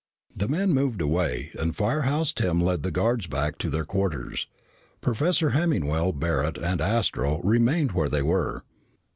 The men moved away and Firehouse Tim led the guards back to their quarters. Professor Hemmingwell, Barret, and Astro remained where they were.